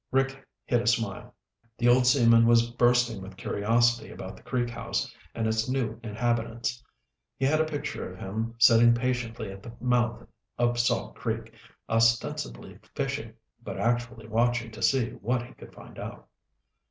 Rick hid a smile. The old seaman was bursting with curiosity about the Creek House and its new inhabitants. He had a picture of him sitting patiently at the mouth of Salt Creek, ostensibly fishing but actually watching to see what he could find out.